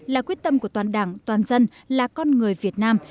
là quyết tâm của toàn đảng toàn dân là con người việt nam